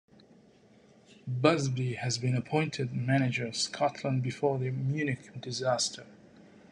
Busby had been appointed manager of Scotland before the Munich disaster.